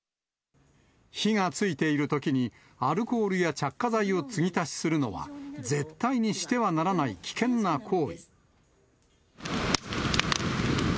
火がついているときに、アルコールや着火剤を継ぎ足しするのは、絶対にしてはならない危険な行為。